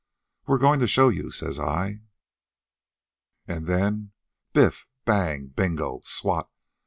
'We're goin' to show you,' says I. "An' then Biff! Bang! Bingo! Swat!